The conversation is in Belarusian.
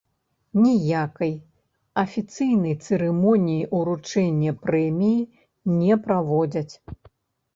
Ніякай афіцыйнай цырымоніі ўручэння прэміі не праводзяць.